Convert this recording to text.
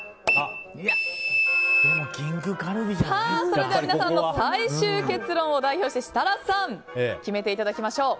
それでは皆さんの最終結論を代表して設楽さんに決めていただきましょう。